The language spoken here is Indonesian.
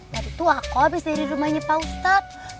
tadi tuh aku abis dari rumahnya pak ustadz